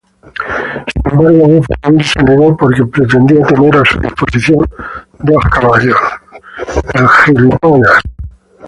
Sin embargo Buffalo Bill se negó porque pretendía tener a su disposición dos caballos.